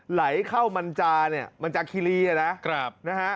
ไหลเข้ามันจามันจากคิรีนะครับ